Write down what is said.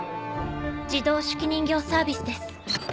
・自動手記人形サービスです。